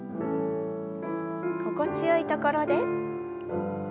心地よいところで。